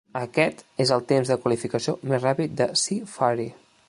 Aquest és el temps de qualificació més ràpid del Sea Fury.